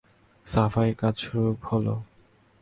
সাফাইকাজ শুরু হলো।